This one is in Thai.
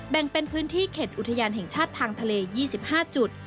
แบ่งเป็นพื้นที่เขตอุทยานแห่งชาติทางทะเล๒๕จุด